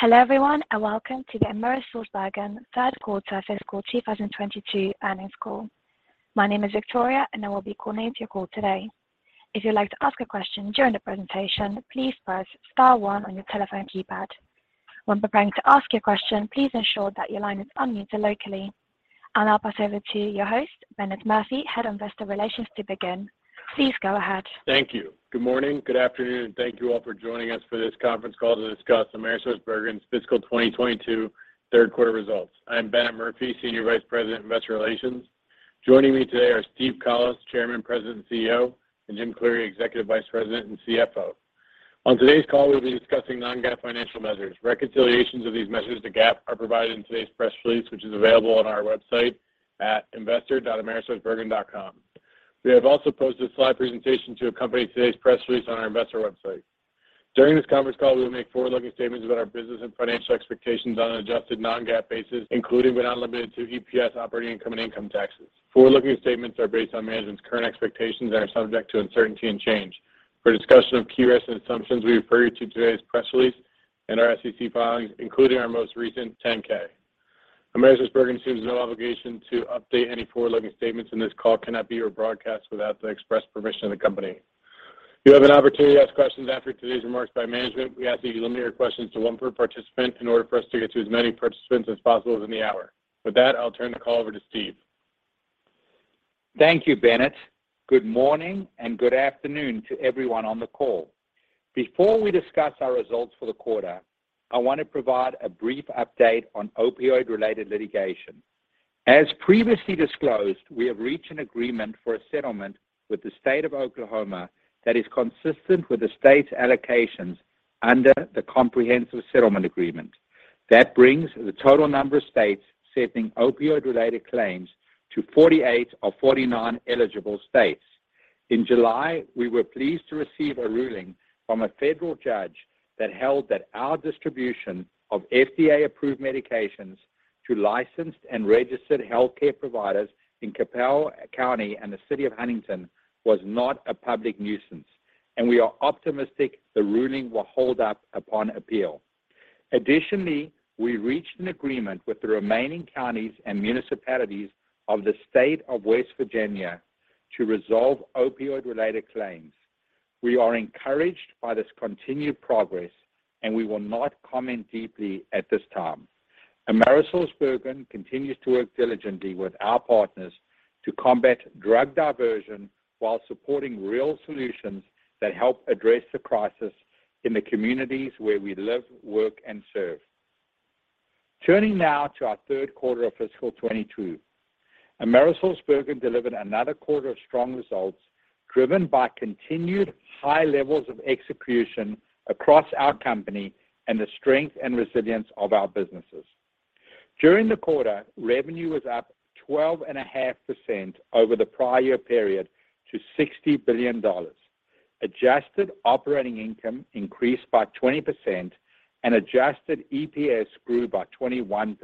Hello everyone, and Welcome To The AmerisourceBergen Third Quarter Fiscal 2022 earnings call. My name is Victoria and I will be coordinating your call today. If you'd like to ask a question during the presentation, please press star one on your telephone keypad. When preparing to ask your question, please ensure that your line is unmuted locally. I'll now pass over to your host, Bennett Murphy, Head of Investor Relations, to begin. Please go ahead. Thank you. Good morning, good afternoon, and thank you all for joining us for this conference call to discuss AmerisourceBergen's fiscal 2022 third quarter results. I am Bennett Murphy, Senior Vice President, Investor Relations. Joining me today are Steve Collis, Chairman, President and CEO, and James Cleary, Executive Vice President and CFO. On today's call, we'll be discussing non-GAAP financial measures. Reconciliations of these measures to GAAP are provided in today's press release, which is available on our website at investor.amerisourcebergen.com. We have also posted a slide presentation to accompany today's press release on our investor website. During this conference call, we will make forward-looking statements about our business and financial expectations on an adjusted non-GAAP basis, including but not limited to EPS, operating income, and income taxes. Forward-looking statements are based on management's current expectations and are subject to uncertainty and change. For discussion of key risks and assumptions, we refer you to today's press release and our SEC filings, including our most recent 10-K. AmerisourceBergen assumes no obligation to update any forward-looking statements, and this call cannot be rebroadcast without the express permission of the company. You have an opportunity to ask questions after today's remarks by management. We ask that you limit your questions to one per participant in order for us to get to as many participants as possible within the hour. With that, I'll turn the call over to Steve. Thank you, Bennett. Good morning and good afternoon to everyone on the call. Before we discuss our results for the quarter, I want to provide a brief update on opioid-related litigation. As previously disclosed, we have reached an agreement for a settlement with the state of Oklahoma that is consistent with the state's allocations under the comprehensive settlement agreement. That brings the total number of states settling opioid-related claims to 48 of 49 eligible states. In July, we were pleased to receive a ruling from a federal judge that held that our distribution of FDA-approved medications to licensed and registered healthcare providers in Cabell County and the City of Huntington was not a public nuisance, and we are optimistic the ruling will hold up upon appeal. Additionally, we reached an agreement with the remaining counties and municipalities of the state of West Virginia to resolve opioid-related claims. We are encouraged by this continued progress, and we will not comment deeply at this time. AmerisourceBergen continues to work diligently with our partners to combat drug diversion while supporting real solutions that help address the crisis in the communities where we live, work, and serve. Turning now to our third quarter of fiscal 2022. AmerisourceBergen delivered another quarter of strong results driven by continued high levels of execution across our company and the strength and resilience of our businesses. During the quarter, revenue was up 12.5% over the prior year period to $60 billion. Adjusted operating income increased by 20% and adjusted EPS grew by 21%.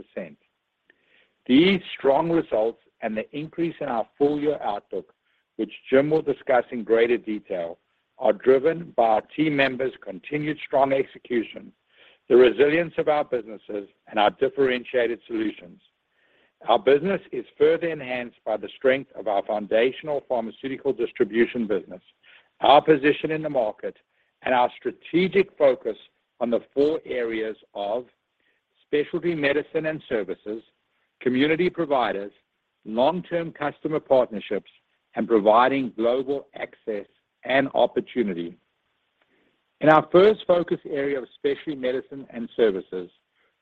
These strong results and the increase in our full year outlook, which Jim will discuss in greater detail, are driven by our team members' continued strong execution, the resilience of our businesses, and our differentiated solutions. Our business is further enhanced by the strength of our foundational pharmaceutical distribution business, our position in the market, and our strategic focus on the four areas of specialty medicine and services, community providers, long-term customer partnerships, and providing global access and opportunity. In our first focus area of specialty medicine and services,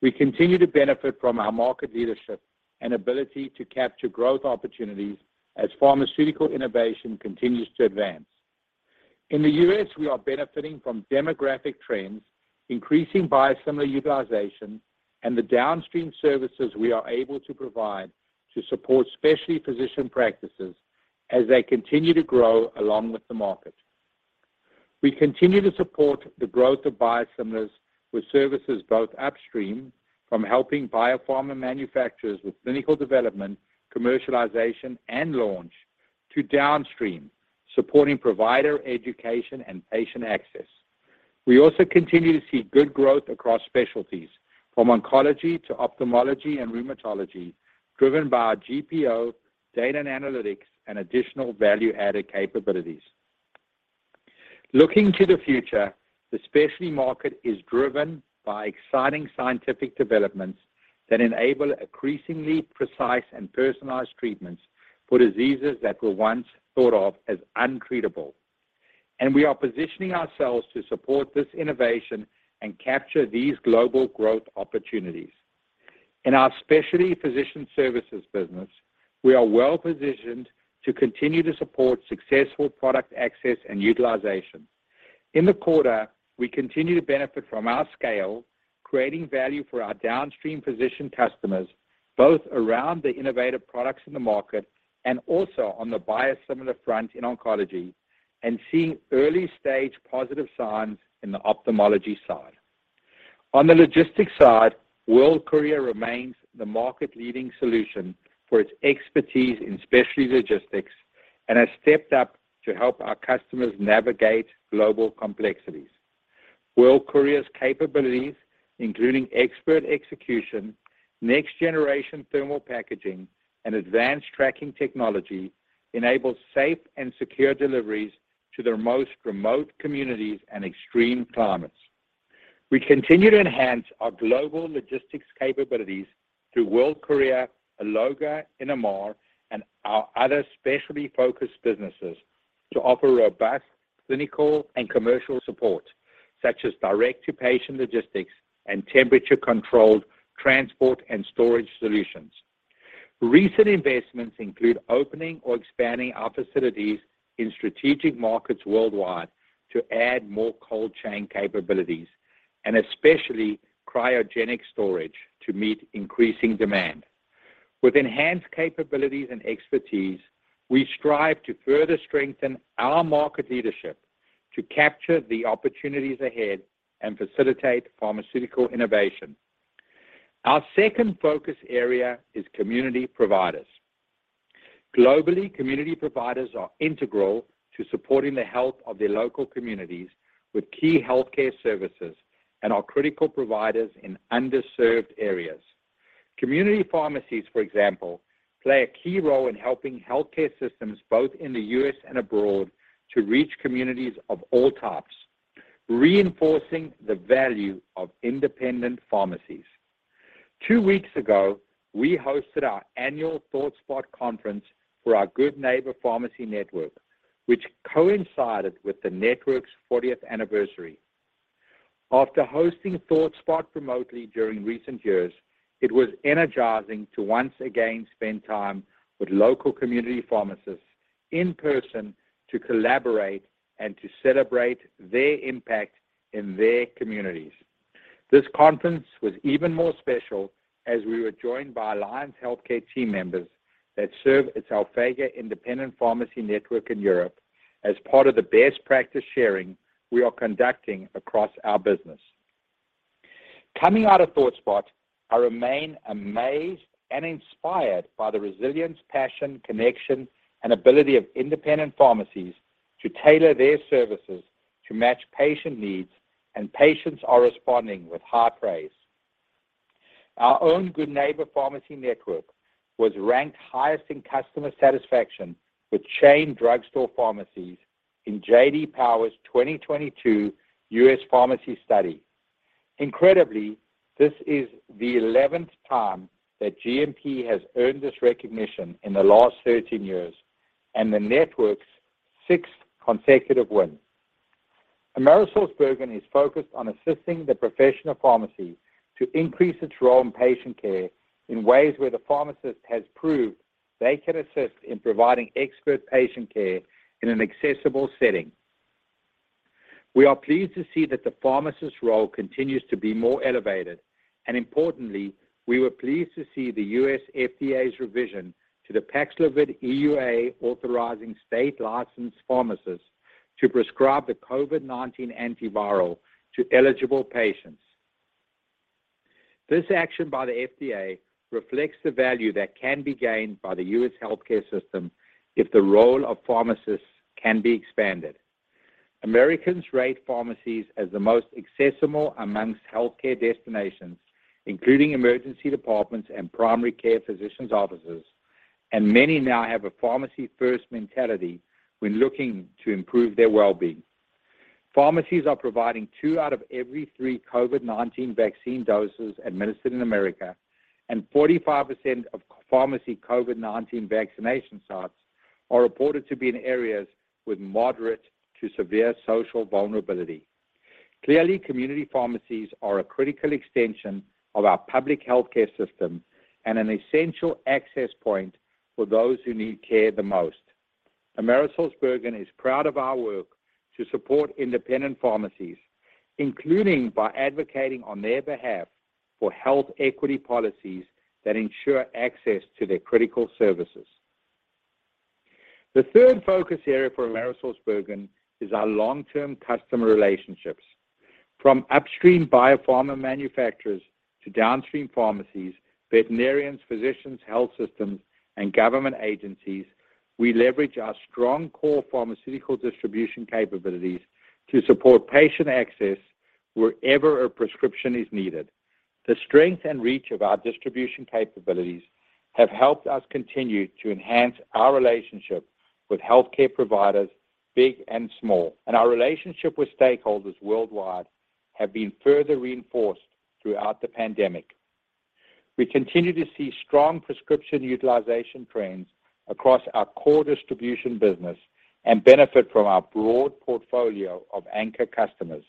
we continue to benefit from our market leadership and ability to capture growth opportunities as pharmaceutical innovation continues to advance. In the US, we are benefiting from demographic trends, increasing biosimilar utilization, and the downstream services we are able to provide to support specialty physician practices as they continue to grow along with the market. We continue to support the growth of biosimilars with services both upstream from helping biopharma manufacturers with clinical development, commercialization, and launch to downstream, supporting provider education and patient access. We also continue to see good growth across specialties from oncology to ophthalmology and rheumatology, driven by our GPO data and analytics and additional value-added capabilities. Looking to the future, the specialty market is driven by exciting scientific developments that enable increasingly precise and personalized treatments for diseases that were once thought of as untreatable. We are positioning ourselves to support this innovation and capture these global growth opportunities. In our specialty physician services business, we are well-positioned to continue to support successful product access and utilization. In the quarter, we continue to benefit from our scale, creating value for our downstream physician customers, both around the innovative products in the market and also on the biosimilar front in oncology and seeing early-stage positive signs in the ophthalmology side. On the logistics side, World Courier remains the market-leading solution for its expertise in specialty logistics. has stepped up to help our customers navigate global complexities. World Courier's capabilities, including expert execution, next-generation thermal packaging, and advanced tracking technology, enable safe and secure deliveries to the most remote communities and extreme climates. We continue to enhance our global logistics capabilities through World Courier, Alphega, Innomar, and our other specialty-focused businesses to offer robust clinical and commercial support, such as direct-to-patient logistics and temperature-controlled transport and storage solutions. Recent investments include opening or expanding our facilities in strategic markets worldwide to add more cold chain capabilities and especially cryogenic storage to meet increasing demand. With enhanced capabilities and expertise, we strive to further strengthen our market leadership to capture the opportunities ahead and facilitate pharmaceutical innovation. Our second focus area is community providers. Globally, community providers are integral to supporting the health of their local communities with key healthcare services and are critical providers in underserved areas. Community pharmacies, for example, play a key role in helping healthcare systems both in the US and abroad to reach communities of all types, reinforcing the value of independent pharmacies. Two weeks ago, we hosted our annual ThoughtSpot conference for our Good Neighbor Pharmacy network, which coincided with the network's fortieth anniversary. After hosting ThoughtSpot remotely during recent years, it was energizing to once again spend time with local community pharmacists in person to collaborate and to celebrate their impact in their communities. This conference was even more special as we were joined by Alliance Healthcare team members that serve as our Alphega independent pharmacy network in Europe as part of the best practice sharing we are conducting across our business. Coming out of ThoughtSpot, I remain amazed and inspired by the resilience, passion, connection, and ability of independent pharmacies to tailor their services to match patient needs, and patients are responding with high praise. Our own Good Neighbor Pharmacy network was ranked highest in customer satisfaction with chain drugstore pharmacies in J.D. Power's 2022 US Pharmacy study. Incredibly, this is the eleventh time that GNP has earned this recognition in the last 13 years and the network's sixth consecutive win. AmerisourceBergen is focused on assisting the professional pharmacy to increase its role in patient care in ways where the pharmacist has proved they can assist in providing expert patient care in an accessible setting. We are pleased to see that the pharmacist's role continues to be more elevated, and importantly, we were pleased to see the US FDA's revision to the Paxlovid EUA authorizing state-licensed pharmacists to prescribe the COVID-19 antiviral to eligible patients. This action by the FDA reflects the value that can be gained by the US healthcare system if the role of pharmacists can be expanded. Americans rate pharmacies as the most accessible among healthcare destinations, including emergency departments and primary care physicians' offices, and many now have a pharmacy-first mentality when looking to improve their well-being. Pharmacies are providing two out of every three COVID-19 vaccine doses administered in America, and 45% of pharmacy COVID-19 vaccination sites are reported to be in areas with moderate to severe social vulnerability. Clearly, community pharmacies are a critical extension of our public healthcare system and an essential access point for those who need care the most. AmerisourceBergen is proud of our work to support independent pharmacies, including by advocating on their behalf for health equity policies that ensure access to their critical services. The third focus area for AmerisourceBergen is our long-term customer relationships. From upstream biopharma manufacturers to downstream pharmacies, veterinarians, physicians, health systems, and government agencies, we leverage our strong core pharmaceutical distribution capabilities to support patient access wherever a prescription is needed. The strength and reach of our distribution capabilities have helped us continue to enhance our relationship with healthcare providers, big and small, and our relationship with stakeholders worldwide have been further reinforced throughout the pandemic. We continue to see strong prescription utilization trends across our core distribution business and benefit from our broad portfolio of anchor customers.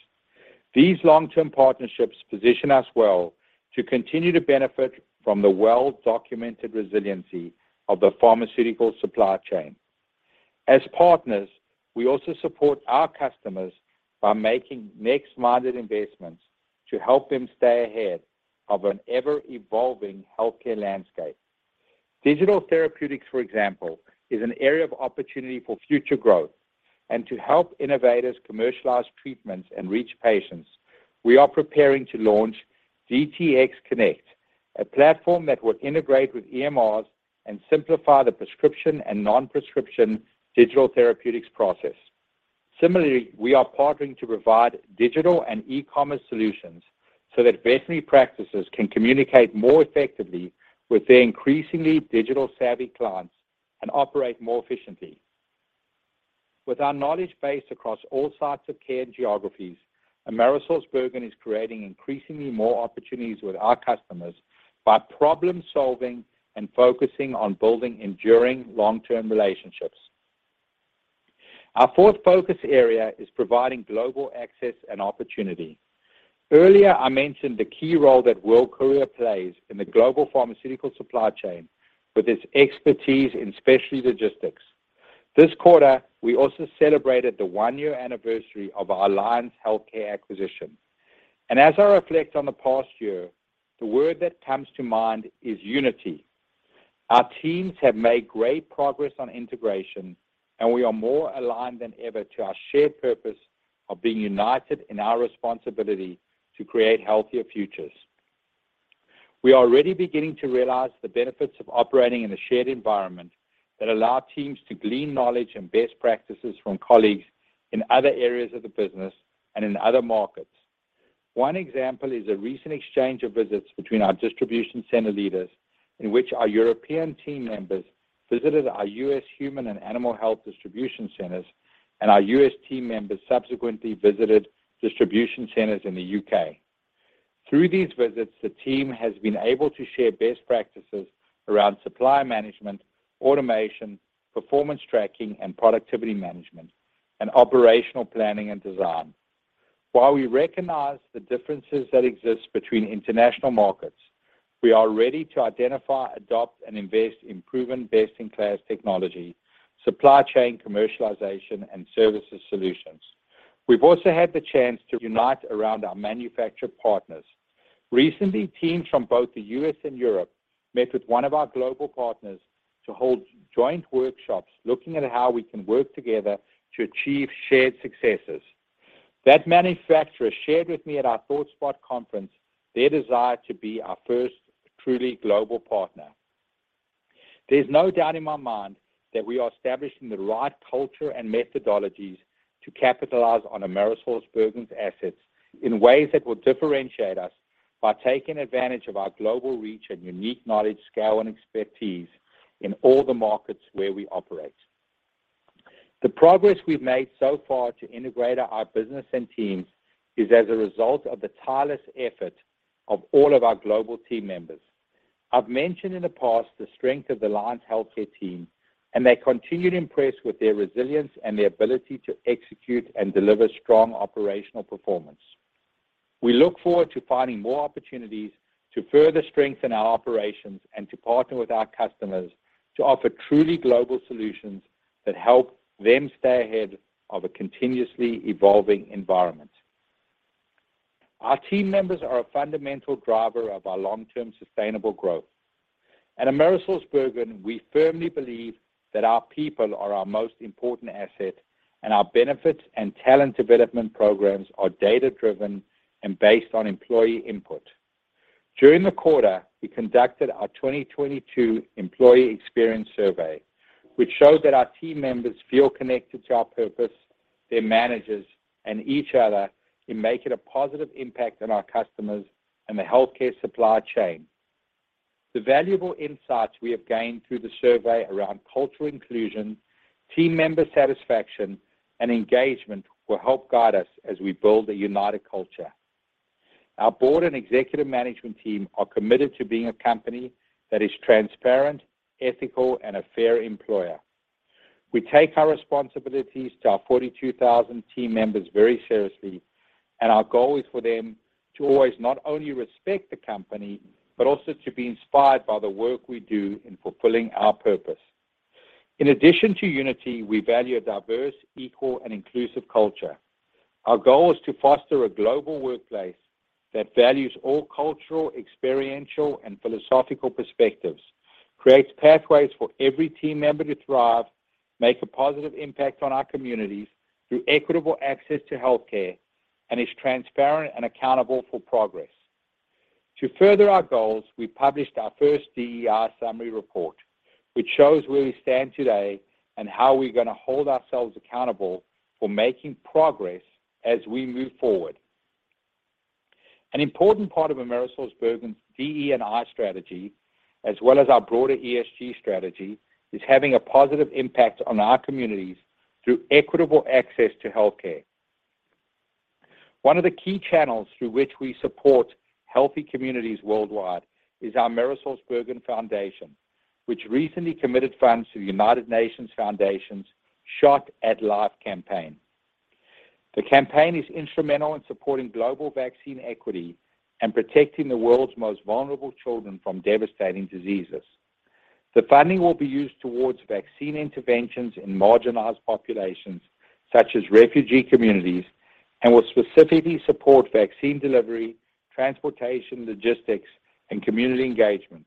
These long-term partnerships position us well to continue to benefit from the well-documented resiliency of the pharmaceutical supply chain. As partners, we also support our customers by making next-minded investments to help them stay ahead of an ever-evolving healthcare landscape. Digital therapeutics, for example, is an area of opportunity for future growth. To help innovators commercialize treatments and reach patients, we are preparing to launch DTx Connect, a platform that will integrate with EMRs and simplify the prescription and non-prescription digital therapeutics process. Similarly, we are partnering to provide digital and e-commerce solutions so that veterinary practices can communicate more effectively with their increasingly digital savvy clients and operate more efficiently. With our knowledge base across all sites of care and geographies, AmerisourceBergen is creating increasingly more opportunities with our customers by problem-solving and focusing on building enduring long-term relationships. Our fourth focus area is providing global access and opportunity. Earlier, I mentioned the key role that World Courier plays in the global pharmaceutical supply chain with its expertise in specialty logistics. This quarter, we also celebrated the one-year anniversary of our Alliance Healthcare acquisition. As I reflect on the past year, the word that comes to mind is unity. Our teams have made great progress on integration, and we are more aligned than ever to our shared purpose of being united in our responsibility to create healthier futures. We are already beginning to realize the benefits of operating in a shared environment that allow teams to glean knowledge and best practices from colleagues in other areas of the business and in other markets. One example is a recent exchange of visits between our distribution center leaders in which our European team members visited our US Human and Animal Health distribution centers, and our US team members subsequently visited distribution centers in the UK Through these visits, the team has been able to share best practices around supply management, automation, performance tracking, and productivity management, and operational planning and design. While we recognize the differences that exist between international markets, we are ready to identify, adopt, and invest in proven best-in-class technology, supply chain commercialization, and services solutions. We've also had the chance to unite around our manufacturer partners. Recently, teams from both the US and Europe met with one of our global partners to hold joint workshops looking at how we can work together to achieve shared successes. That manufacturer shared with me at our ThoughtSpot Conference their desire to be our first truly global partner. There's no doubt in my mind that we are establishing the right culture and methodologies to capitalize on AmerisourceBergen's assets in ways that will differentiate us by taking advantage of our global reach and unique knowledge, scale, and expertise in all the markets where we operate. The progress we've made so far to integrate our business and teams is as a result of the tireless effort of all of our global team members. I've mentioned in the past the strength of the Alliance Healthcare team, and they continue to impress with their resilience and the ability to execute and deliver strong operational performance. We look forward to finding more opportunities to further strengthen our operations and to partner with our customers to offer truly global solutions that help them stay ahead of a continuously evolving environment. Our team members are a fundamental driver of our long-term sustainable growth. At AmerisourceBergen, we firmly believe that our people are our most important asset, and our benefits and talent development programs are data-driven and based on employee input. During the quarter, we conducted our 2022 employee experience survey, which showed that our team members feel connected to our purpose, their managers, and each other in making a positive impact on our customers and the healthcare supply chain. The valuable insights we have gained through the survey around cultural inclusion, team member satisfaction, and engagement will help guide us as we build a united culture. Our board and executive management team are committed to being a company that is transparent, ethical, and a fair employer. We take our responsibilities to our 42,000 team members very seriously, and our goal is for them to always not only respect the company, but also to be inspired by the work we do in fulfilling our purpose. In addition to unity, we value a diverse, equal, and inclusive culture. Our goal is to foster a global workplace that values all cultural, experiential, and philosophical perspectives, creates pathways for every team member to thrive, make a positive impact on our communities through equitable access to healthcare, and is transparent and accountable for progress. To further our goals, we published our first DE&I summary report, which shows where we stand today and how we're gonna hold ourselves accountable for making progress as we move forward. An important part of AmerisourceBergen's DE&I strategy, as well as our broader ESG strategy, is having a positive impact on our communities through equitable access to healthcare. One of the key channels through which we support healthy communities worldwide is our AmerisourceBergen Foundation, which recently committed funds to the United Nations Foundation's Shot@Life campaign. The campaign is instrumental in supporting global vaccine equity and protecting the world's most vulnerable children from devastating diseases. The funding will be used towards vaccine interventions in marginalized populations such as refugee communities and will specifically support vaccine delivery, transportation, logistics, and community engagement.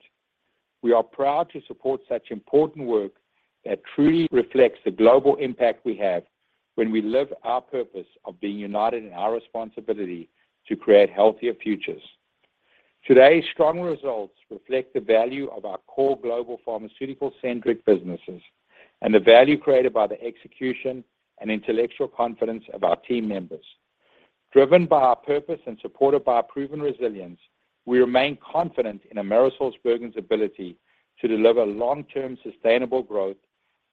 We are proud to support such important work that truly reflects the global impact we have when we live our purpose of being united in our responsibility to create healthier futures. Today's strong results reflect the value of our core global pharmaceutical centric businesses and the value created by the execution and intellectual confidence of our team members. Driven by our purpose and supported by our proven resilience, we remain confident in AmerisourceBergen's ability to deliver long-term sustainable growth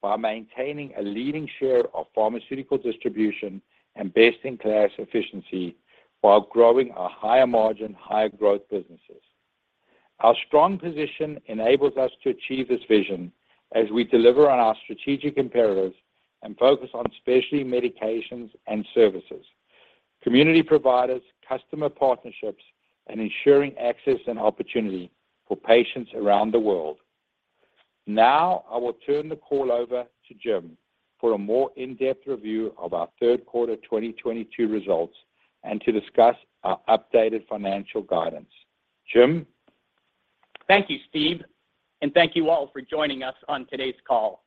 by maintaining a leading share of pharmaceutical distribution and best-in-class efficiency while growing our higher margin, higher growth businesses. Our strong position enables us to achieve this vision as we deliver on our strategic imperatives and focus on specialty medications and services, community providers, customer partnerships, and ensuring access and opportunity for patients around the world. Now, I will turn the call over to Jim for a more in-depth review of our third quarter 2022 results and to discuss our updated financial guidance. Jim. Thank you, Steve, and thank you all for joining us on today's call.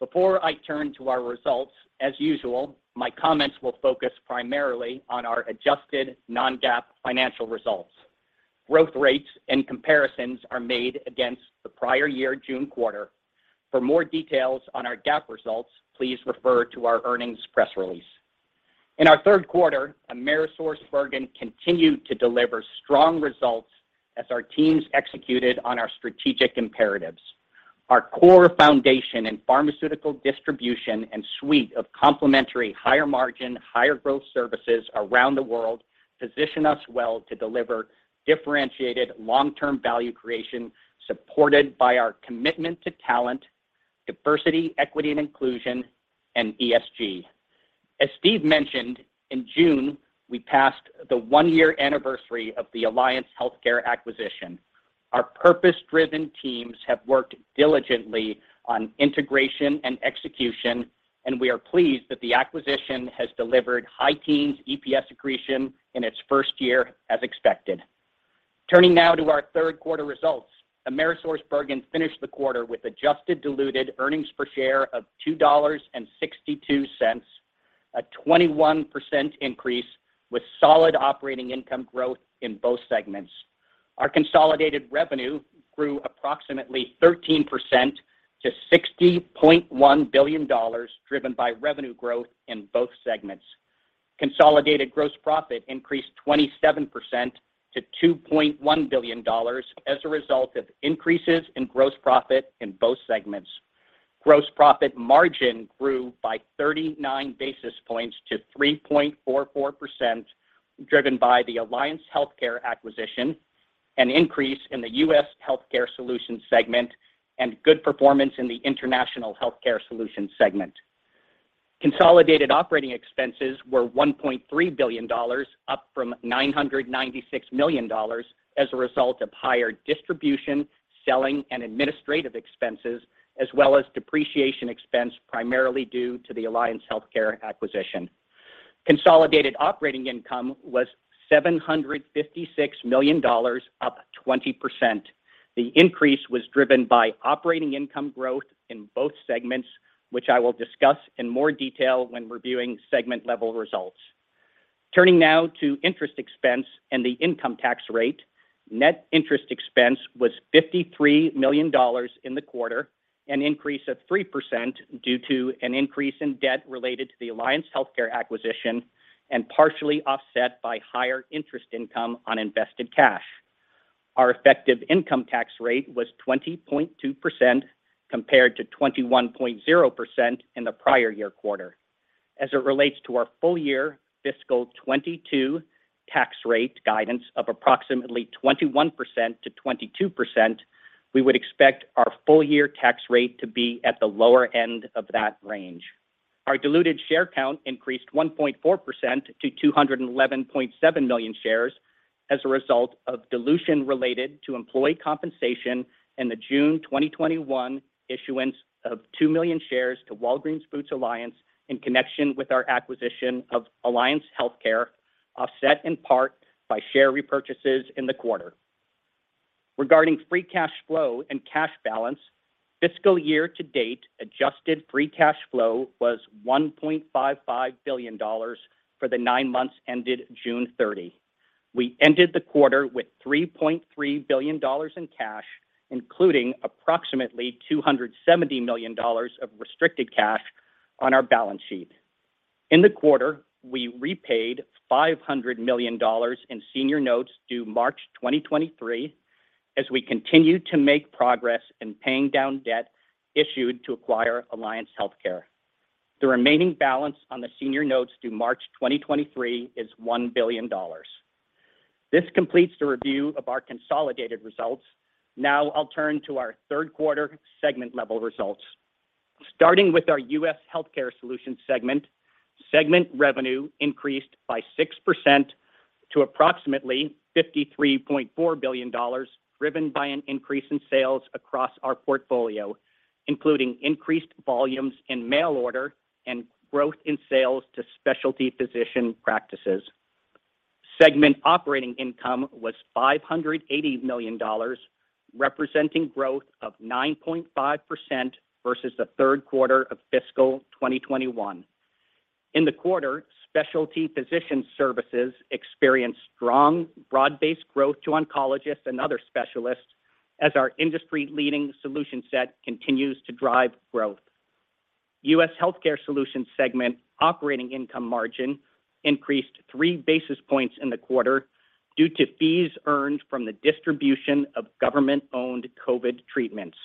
Before I turn to our results, as usual, my comments will focus primarily on our adjusted non-GAAP financial results. Growth rates and comparisons are made against the prior year June quarter. For more details on our GAAP results, please refer to our earnings press release. In our third quarter, AmerisourceBergen continued to deliver strong results as our teams executed on our strategic imperatives. Our core foundation in pharmaceutical distribution and suite of complementary higher margin, higher growth services around the world position us well to deliver differentiated long-term value creation supported by our commitment to talent, diversity, equity, and inclusion, and ESG. As Steve mentioned, in June, we passed the one-year anniversary of the Alliance Healthcare acquisition. Our purpose-driven teams have worked diligently on integration and execution, and we are pleased that the acquisition has delivered high teens EPS accretion in its first year as expected. Turning now to our third quarter results. AmerisourceBergen finished the quarter with adjusted diluted earnings per share of $2.62, a 21% increase with solid operating income growth in both segments. Our consolidated revenue grew approximately 13% to $60.1 billion, driven by revenue growth in both segments. Consolidated gross profit increased 27% to $2.1 billion as a result of increases in gross profit in both segments. Gross profit margin grew by 39 basis points to 3.44%, driven by the Alliance Healthcare acquisition, an increase in the US Healthcare Solutions segment, and good performance in the International Healthcare Solutions segment. Consolidated operating expenses were $1.3 billion, up from $996 million as a result of higher distribution, selling, and administrative expenses, as well as depreciation expense primarily due to the Alliance Healthcare acquisition. Consolidated operating income was $756 million, up 20%. The increase was driven by operating income growth in both segments, which I will discuss in more detail when reviewing segment-level results. Turning now to interest expense and the income tax rate. Net interest expense was $53 million in the quarter, an increase of 3% due to an increase in debt related to the Alliance Healthcare acquisition and partially offset by higher interest income on invested cash. Our effective income tax rate was 20.2% compared to 21.0% in the prior year quarter. As it relates to our full year fiscal 2022 tax rate guidance of approximately 21%-22%, we would expect our full year tax rate to be at the lower end of that range. Our diluted share count increased 1.4% to 211.7 million shares as a result of dilution related to employee compensation and the June 2021 issuance of 2 million shares to Walgreens Boots Alliance in connection with our acquisition of Alliance Healthcare, offset in part by share repurchases in the quarter. Regarding free cash flow and cash balance, fiscal year to date adjusted free cash flow was $1.55 billion for the nine months ended June 30. We ended the quarter with $3.3 billion in cash, including approximately $270 million of restricted cash on our balance sheet. In the quarter, we repaid $500 million in senior notes due March 2023 as we continued to make progress in paying down debt issued to acquire Alliance Healthcare. The remaining balance on the senior notes due March 2023 is $1 billion. This completes the review of our consolidated results. Now I'll turn to our third quarter segment level results. Starting with our US Healthcare Solutions segment revenue increased by 6% to approximately $53.4 billion, driven by an increase in sales across our portfolio, including increased volumes in mail order and growth in sales to specialty physician practices. Segment operating income was $580 million, representing growth of 9.5% versus the third quarter of fiscal 2021. In the quarter, Specialty Physician Services experienced strong broad-based growth to oncologists and other specialists as our industry-leading solution set continues to drive growth. US Healthcare Solutions segment operating income margin increased three basis points in the quarter due to fees earned from the distribution of government-owned COVID treatments.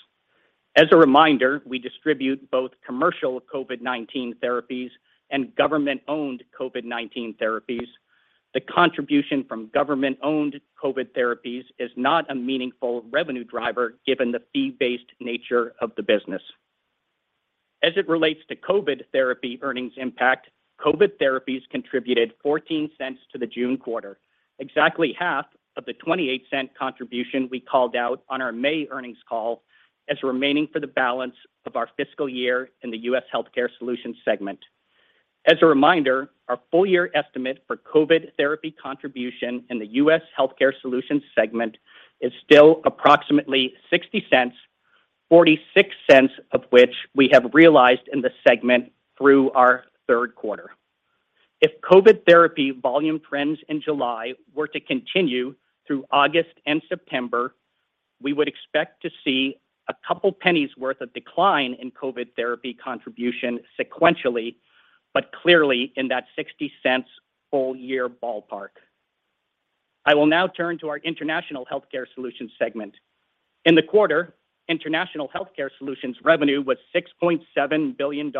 As a reminder, we distribute both commercial COVID-19 therapies and government-owned COVID-19 therapies. The contribution from government-owned COVID therapies is not a meaningful revenue driver given the fee-based nature of the business. As it relates to COVID therapy earnings impact, COVID therapies contributed $0.14 to the June quarter, exactly half of the $0.28 contribution we called out on our May earnings call as remaining for the balance of our fiscal year in the US Healthcare Solutions segment. As a reminder, our full year estimate for COVID therapy contribution in the US Healthcare Solutions segment is still approximately $0.60, $0.46 of which we have realized in the segment through our third quarter. If COVID therapy volume trends in July were to continue through August and September, we would expect to see a couple pennies worth of decline in COVID therapy contribution sequentially, but clearly in that $0.60 full year ballpark. I will now turn to our International Healthcare Solutions segment. In the quarter, International Healthcare Solutions revenue was $6.7 billion,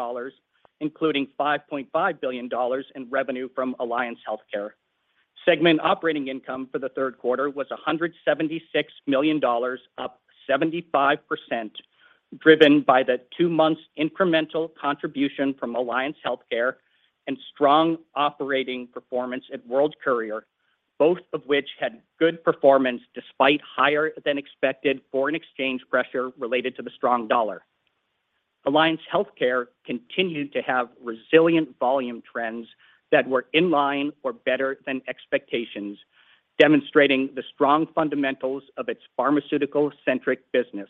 including $5.5 billion in revenue from Alliance Healthcare. Segment operating income for the third quarter was $176 million, up 75%, driven by the two months incremental contribution from Alliance Healthcare and strong operating performance at World Courier, both of which had good performance despite higher than expected foreign exchange pressure related to the strong dollar. Alliance Healthcare continued to have resilient volume trends that were in line or better than expectations, demonstrating the strong fundamentals of its pharmaceutical centric business.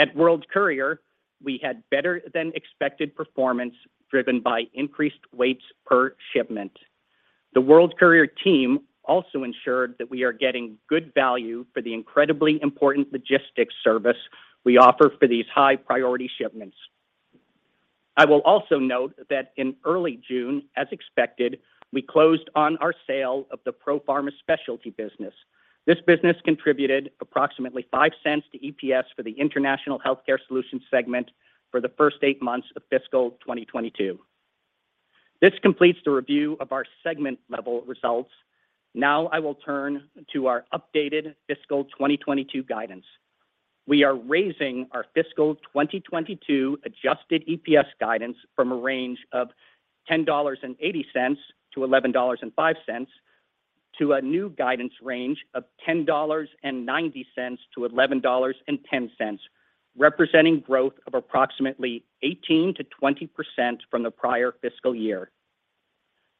At World Courier, we had better than expected performance driven by increased weights per shipment. The World Courier team also ensured that we are getting good value for the incredibly important logistics service we offer for these high priority shipments. I will also note that in early June, as expected, we closed on our sale of the Profarma Specialty business. This business contributed approximately $0.05 to EPS for the International Healthcare Solutions segment for the first eight months of fiscal 2022. This completes the review of our segment level results. Now I will turn to our updated fiscal 2022 guidance. We are raising our fiscal 2022 adjusted EPS guidance from a range of $10.80-$11.05 to a new guidance range of $10.90-$11.10, representing growth of approximately 18%-20% from the prior fiscal year.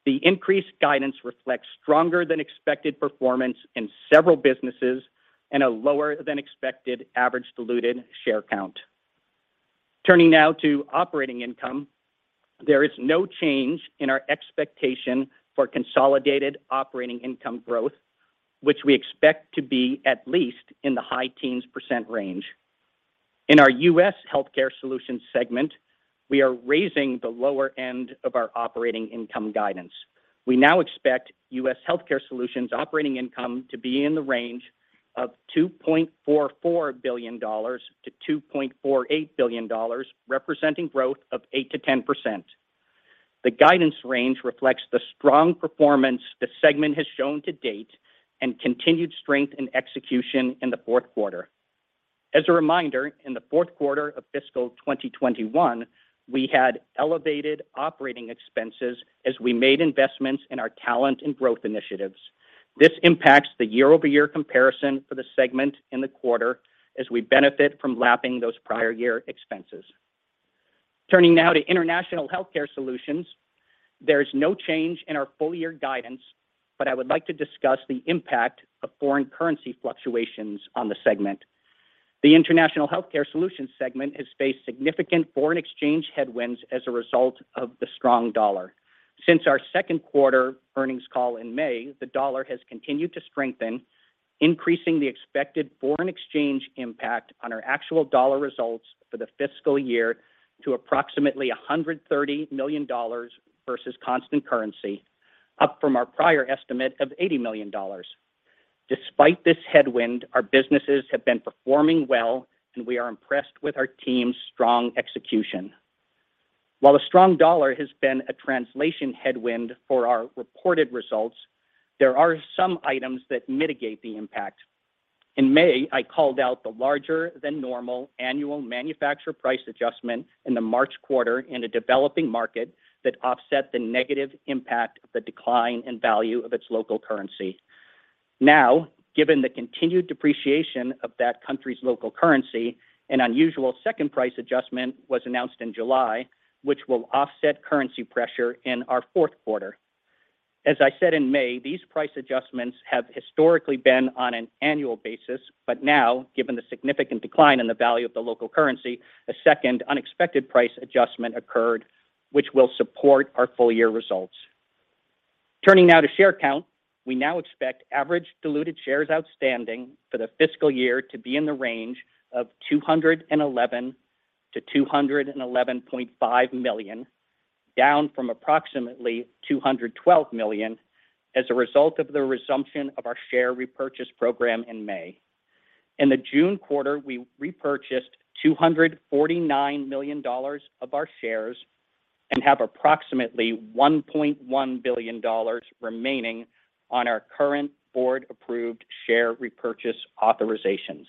The increased guidance reflects stronger than expected performance in several businesses and a lower than expected average diluted share count. Turning now to operating income, there is no change in our expectation for consolidated operating income growth, which we expect to be at least in the high teens % range. In our US Healthcare Solutions segment, we are raising the lower end of our operating income guidance. We now expect US Healthcare Solutions operating income to be in the range of $2.44 billion-$2.48 billion, representing growth of 8%-10%. The guidance range reflects the strong performance the segment has shown to date and continued strength in execution in the fourth quarter. As a reminder, in the fourth quarter of fiscal 2021, we had elevated operating expenses as we made investments in our talent and growth initiatives. This impacts the year-over-year comparison for the segment in the quarter as we benefit from lapping those prior year expenses. Turning now to International Healthcare Solutions, there is no change in our full year guidance, but I would like to discuss the impact of foreign currency fluctuations on the segment. The International Healthcare Solutions segment has faced significant foreign exchange headwinds as a result of the strong dollar. Since our second quarter earnings call in May, the dollar has continued to strengthen, increasing the expected foreign exchange impact on our actual dollar results for the fiscal year to approximately $130 million versus constant currency, up from our prior estimate of $80 million. Despite this headwind, our businesses have been performing well, and we are impressed with our team's strong execution. While a strong dollar has been a translation headwind for our reported results, there are some items that mitigate the impact. In May, I called out the larger than normal annual manufacturer price adjustment in the March quarter in a developing market that offset the negative impact of the decline in value of its local currency. Now, given the continued depreciation of that country's local currency, an unusual second price adjustment was announced in July, which will offset currency pressure in our fourth quarter. As I said in May, these price adjustments have historically been on an annual basis, but now, given the significant decline in the value of the local currency, a second unexpected price adjustment occurred which will support our full year results. Turning now to share count. We now expect average diluted shares outstanding for the fiscal year to be in the range of 211-211.5 million, down from approximately 212 million as a result of the resumption of our share repurchase program in May. In the June quarter, we repurchased $249 million of our shares and have approximately $1.1 billion remaining on our current board-approved share repurchase authorizations.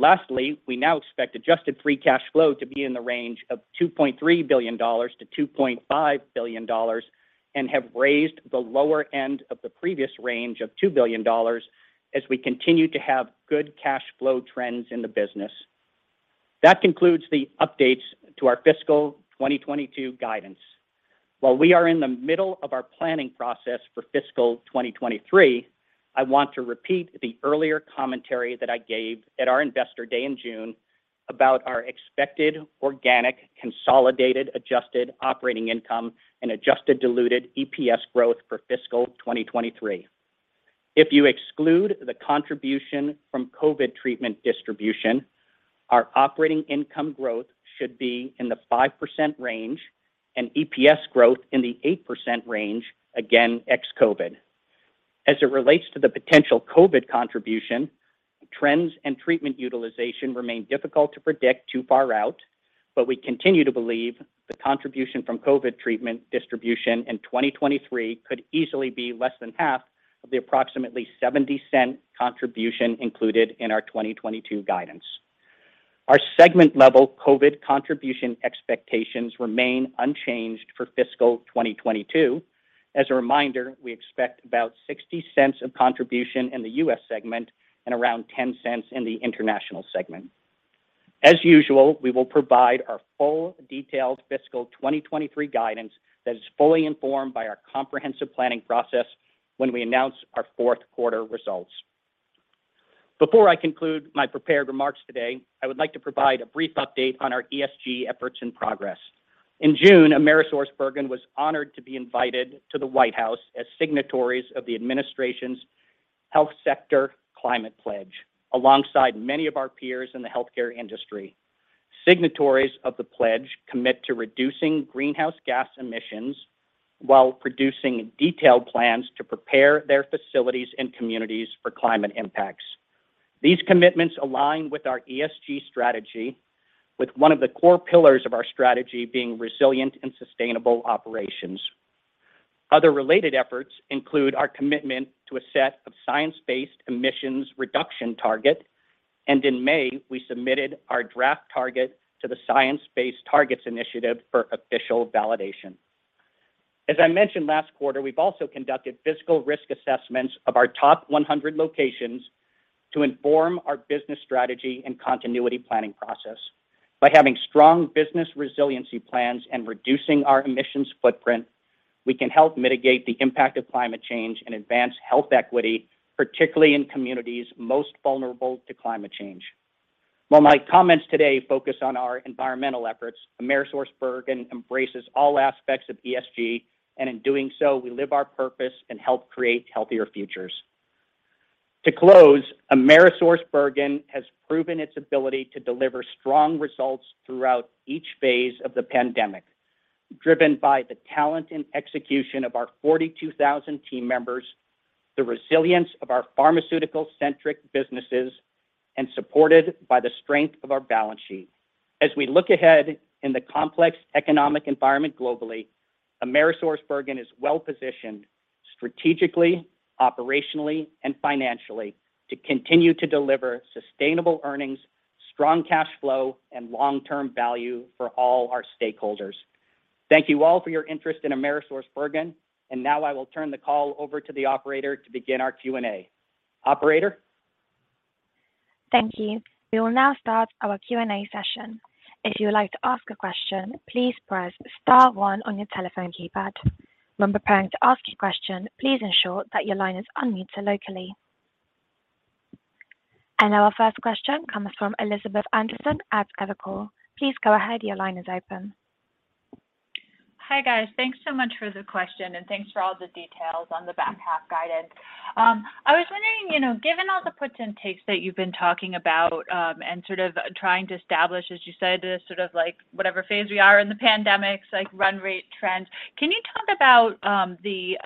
Lastly, we now expect adjusted free cash flow to be in the range of $2.3 billion-$2.5 billion and have raised the lower end of the previous range of $2 billion as we continue to have good cash flow trends in the business. That concludes the updates to our fiscal 2022 guidance. While we are in the middle of our planning process for fiscal 2023, I want to repeat the earlier commentary that I gave at our Investor Day in June about our expected organic consolidated adjusted operating income and adjusted diluted EPS growth for fiscal 2023. If you exclude the contribution from COVID treatment distribution, our operating income growth should be in the 5% range and EPS growth in the 8% range, again, ex-COVID. As it relates to the potential COVID contribution, trends and treatment utilization remain difficult to predict too far out, but we continue to believe the contribution from COVID treatment distribution in 2023 could easily be less than half of the approximately $0.70 contribution included in our 2022 guidance. Our segment-level COVID contribution expectations remain unchanged for fiscal 2022. As a reminder, we expect about $0.60 of contribution in the US segment and around $0.10 in the international segment. As usual, we will provide our full detailed fiscal 2023 guidance that is fully informed by our comprehensive planning process when we announce our fourth quarter results. Before I conclude my prepared remarks today, I would like to provide a brief update on our ESG efforts and progress. In June, AmerisourceBergen was honored to be invited to the White House as signatories of the administration's Health Sector Climate Pledge, alongside many of our peers in the healthcare industry. Signatories of the pledge commit to reducing greenhouse gas emissions while producing detailed plans to prepare their facilities and communities for climate impacts. These commitments align with our ESG strategy, with one of the core pillars of our strategy being resilient and sustainable operations. Other related efforts include our commitment to a set of science-based emissions reduction target, and in May, we submitted our draft target to the Science Based Targets initiative for official validation. As I mentioned last quarter, we've also conducted physical risk assessments of our top 100 locations to inform our business strategy and continuity planning process. By having strong business resiliency plans and reducing our emissions footprint, we can help mitigate the impact of climate change and advance health equity, particularly in communities most vulnerable to climate change. While my comments today focus on our environmental efforts, AmerisourceBergen embraces all aspects of ESG, and in doing so, we live our purpose and help create healthier futures. To close, AmerisourceBergen has proven its ability to deliver strong results throughout each phase of the pandemic, driven by the talent and execution of our 42,000 team members, the resilience of our pharmaceutical-centric businesses, and supported by the strength of our balance sheet. As we look ahead in the complex economic environment globally, AmerisourceBergen is well positioned strategically, operationally, and financially to continue to deliver sustainable earnings, strong cash flow, and long-term value for all our stakeholders. Thank you all for your interest in AmerisourceBergen, and now I will turn the call over to the operator to begin our Q&A. Operator? Thank you. We will now start our Q&A session. If you would like to ask a question, please press star one on your telephone keypad. When preparing to ask your question, please ensure that your line is unmuted locally. Our first question comes from Elizabeth Anderson at Evercore. Please go ahead. Your line is open. Hi, guys. Thanks so much for the question, and thanks for all the details on the back half guidance. I was wondering, you know, given all the puts and takes that you've been talking about, and sort of trying to establish, as you said, the sort of like whatever phase we are in the pandemic, like run rate trends, can you talk about the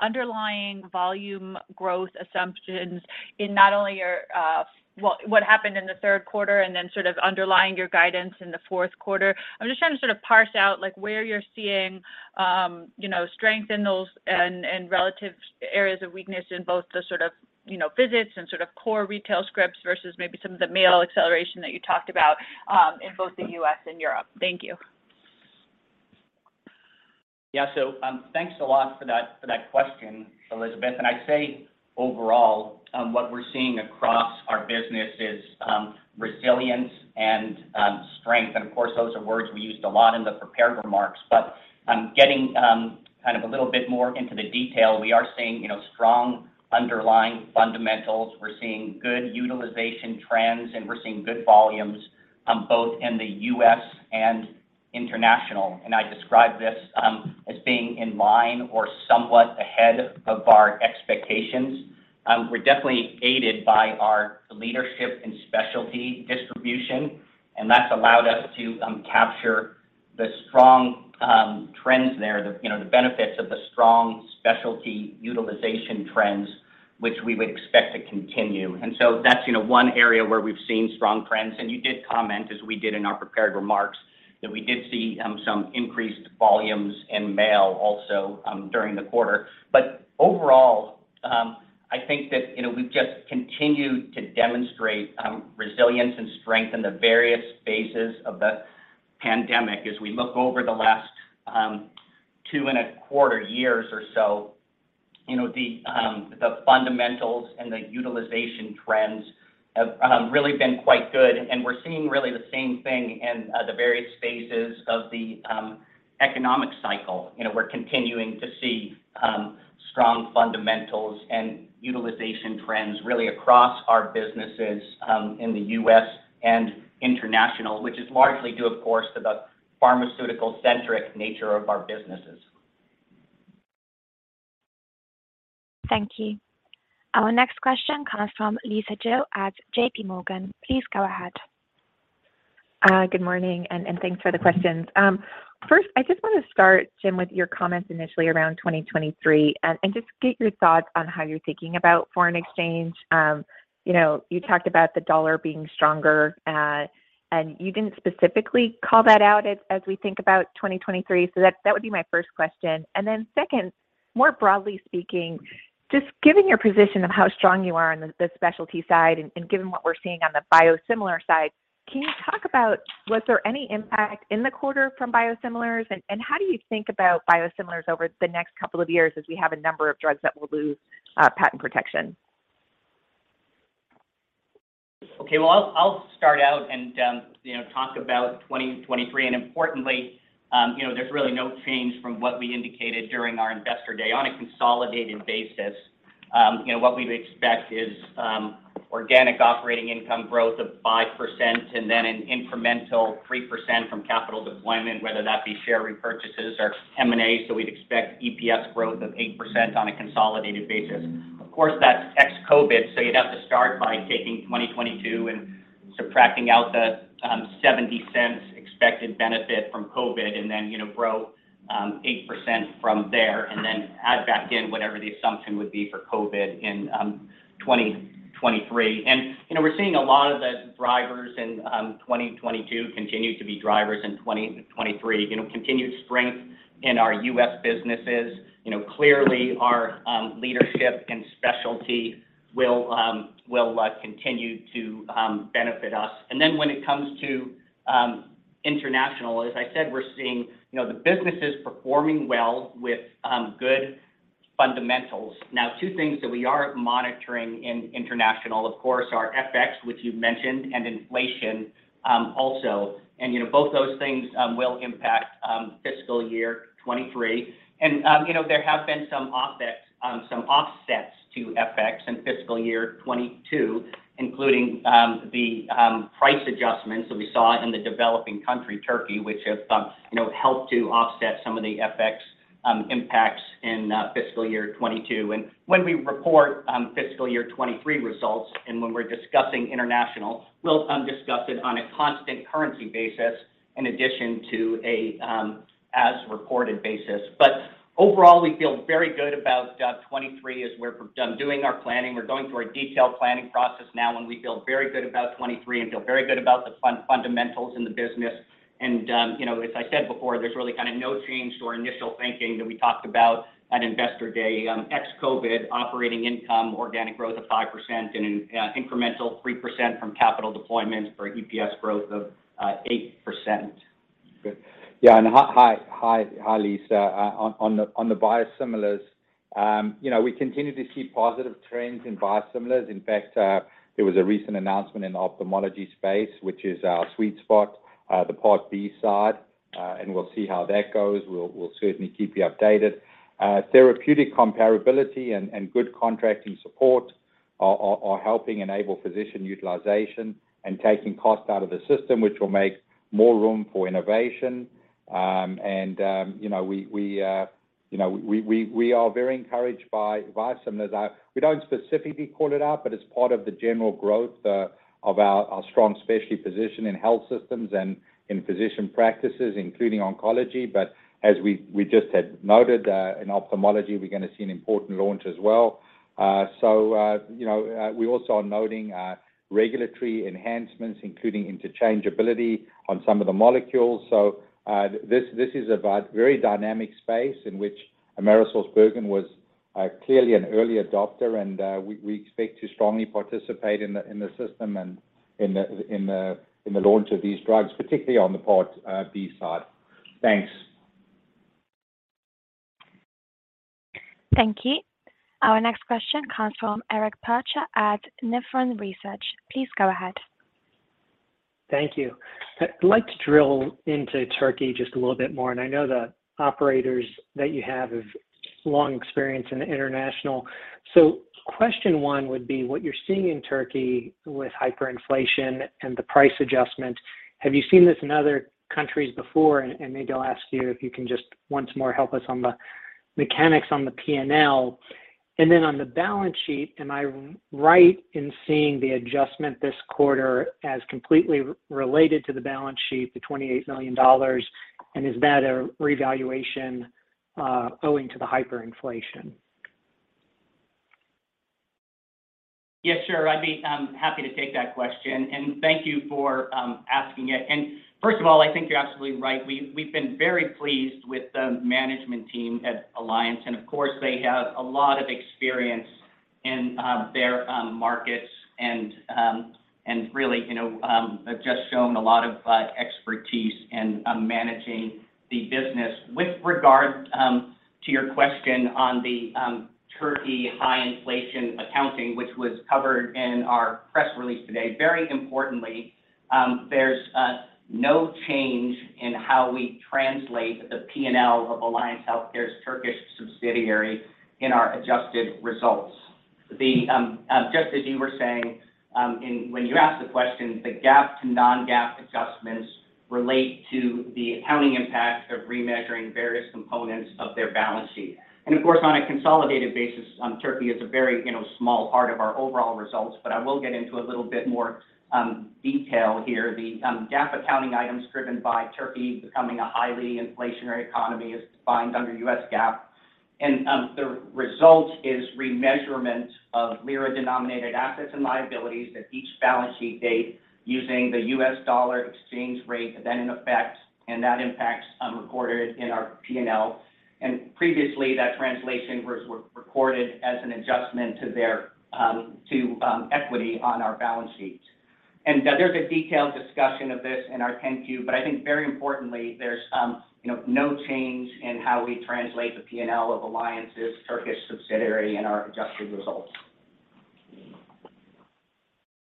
underlying volume growth assumptions in not only your what happened in the third quarter and then sort of underlying your guidance in the fourth quarter? I'm just trying to sort of parse out like where you're seeing, you know, strength in those and relative areas of weakness in both the sort of, you know, visits and sort of core retail scripts versus maybe some of the mail acceleration that you talked about, in both the US and Europe. Thank you. Yeah. Thanks a lot for that question, Elizabeth. I'd say overall, what we're seeing across our business is resilience and strength. Of course, those are words we used a lot in the prepared remarks. Getting kind of a little bit more into the detail, we are seeing, you know, strong underlying fundamentals. We're seeing good utilization trends, and we're seeing good volumes both in the US and international. I describe this as being in line or somewhat ahead of our expectations. We're definitely aided by our leadership and specialty distribution, and that's allowed us to capture the strong trends there. You know, the benefits of the strong specialty utilization trends which we would expect to continue. That's, you know, one area where we've seen strong trends. You did comment as we did in our prepared remarks that we did see some increased volumes in mail also during the quarter. Overall, I think that, you know, we've just continued to demonstrate resilience and strength in the various phases of the pandemic. As we look over the last 2 and a quarter years or so, you know, the fundamentals and the utilization trends have really been quite good. We're seeing really the same thing in the various phases of the economic cycle. You know, we're continuing to see strong fundamentals and utilization trends really across our businesses in the US and international, which is largely due, of course, to the pharmaceutical-centric nature of our businesses. Thank you. Our next question comes from Lisa Gill at JPMorgan. Please go ahead. Good morning and thanks for the questions. First, I just wanna start, Jim, with your comments initially around 2023 and just get your thoughts on how you're thinking about foreign exchange. You know, you talked about the dollar being stronger, and you didn't specifically call that out as we think about 2023. That would be my first question. Second, more broadly speaking, just given your position of how strong you are on the specialty side and given what we're seeing on the biosimilar side, can you talk about was there any impact in the quarter from biosimilars? How do you think about biosimilars over the next couple of years as we have a number of drugs that will lose patent protection? Okay. Well, I'll start out and, you know, talk about 2023. Importantly, you know, there's really no change from what we indicated during our investor day. On a consolidated basis, you know, what we would expect is organic operating income growth of 5% and then an incremental 3% from capital deployment, whether that be share repurchases or M&A. We'd expect EPS growth of 8% on a consolidated basis. Of course, that's ex-COVID, so you'd have to start by taking 2022 and subtracting out the $0.70 expected benefit from COVID and then, you know, grow 8% from there and then add back in whatever the assumption would be for COVID in 2023. You know, we're seeing a lot of the drivers in 2022 continue to be drivers in 2023. You know, continued strength in our US businesses. You know, clearly our leadership and specialty will continue to benefit us. Then when it comes to international, as I said, we're seeing, you know, the businesses performing well with good fundamentals. Now, two things that we are monitoring in international, of course, are FX, which you've mentioned, and inflation also. You know, both those things will impact fiscal year 2023. You know, there have been some offsets to FX in fiscal year 2022, including the price adjustments that we saw in the developing country, Turkey, which have, you know, helped to offset some of the FX impacts in fiscal year 2022. When we report fiscal year 2023 results and when we're discussing international, we'll discuss it on a constant currency basis in addition to a as reported basis. Overall, we feel very good about 2023 as we're done doing our planning. We're going through a detailed planning process now, and we feel very good about 2023 and feel very good about the fundamentals in the business. You know, as I said before, there's really kinda no change to our initial thinking that we talked about at investor day. Ex-COVID operating income, organic growth of 5% and incremental 3% from capital deployments for EPS growth of 8%. Good. Yeah, hi, Lisa. On the biosimilars, you know, we continue to see positive trends in biosimilars. In fact, there was a recent announcement in the ophthalmology space, which is our sweet spot, the Part B side, and we'll see how that goes. We'll certainly keep you updated. Therapeutic comparability and good contracting support are helping enable physician utilization and taking cost out of the system, which will make more room for innovation. You know, we are very encouraged by biosimilars. We don't specifically call it out, but it's part of the general growth of our strong specialty position in health systems and in physician practices, including oncology. As we just had noted in ophthalmology, we're gonna see an important launch as well. You know, we also are noting regulatory enhancements, including interchangeability on some of the molecules. This is a very dynamic space in which AmerisourceBergen was clearly an early adopter, we expect to strongly participate in the system and in the launch of these drugs, particularly on the Part B side. Thanks. Thank you. Our next question comes from Eric Percher at Nephron Research. Please go ahead. Thank you. I'd like to drill into Turkey just a little bit more, and I know the operators that you have have long experience in international. Question one would be what you're seeing in Turkey with hyperinflation and the price adjustment, have you seen this in other countries before? Maybe I'll ask you if you can just once more help us on the mechanics on the P&L. On the balance sheet, am I right in seeing the adjustment this quarter as completely related to the balance sheet, the $28 million? Is that a revaluation owing to the hyperinflation? Yes, sure. I'd be happy to take that question. Thank you for asking it. First of all, I think you're absolutely right. We've been very pleased with the management team at Alliance Healthcare. Of course, they have a lot of experience in their markets and really, you know, have just shown a lot of expertise in managing the business. With regard to your question on the Turkey high inflation accounting, which was covered in our press release today, very importantly, there's no change in how we translate the P&L of Alliance Healthcare's Turkish subsidiary in our adjusted results. The just as you were saying, when you asked the question, the GAAP to non-GAAP adjustments relate to the accounting impact of remeasuring various components of their balance sheet. Of course, on a consolidated basis, Turkey is a very, you know, small part of our overall results, but I will get into a little bit more detail here. The GAAP accounting item is driven by Turkey becoming a highly inflationary economy as defined under US GAAP. The result is remeasurement of lira-denominated assets and liabilities at each balance sheet date using the US dollar exchange rate then in effect, and that impact recorded in our P&L. Previously, that translation was recorded as an adjustment to equity on our balance sheet. There's a detailed discussion of this in our 10-Q. But I think very importantly, there's, you know, no change in how we translate the P&L of Alliance's Turkish subsidiary in our adjusted results.